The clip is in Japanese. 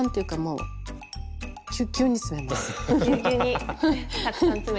うん。